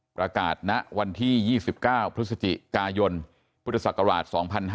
ณวันที่๒๙พฤศจิกายนพุทธศักราช๒๕๕๙